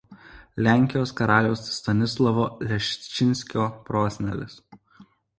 Lenkijos karaliaus Stanislovo Leščinskio prosenelis.